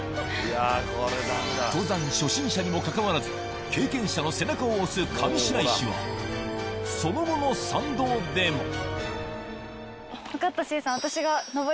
登山初心者にもかかわらず経験者の背中を押す上白石は分かったしーさん。